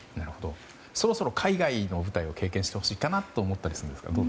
そろそろ海外の舞台を経験してほしいかなとか思ったりするんですか？